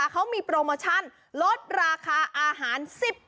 เขามีโปรโมชั่นลดราคาอาหาร๑๐บาท